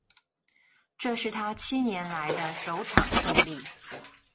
这是他七年来的首场胜利。